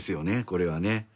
これはね。